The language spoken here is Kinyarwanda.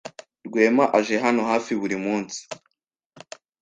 Rwema aje hano hafi buri munsi.